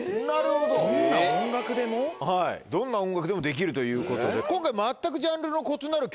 はいどんな音楽でもできるということで今回。